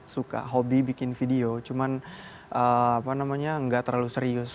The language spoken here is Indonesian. suka hobi bikin video cuman apa namanya nggak terlalu serius